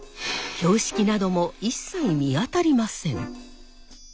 標識なども一切見当たりません。